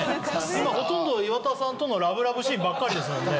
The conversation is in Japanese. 今ほとんど岩田さんとのラブラブシーンばっかりですもんね。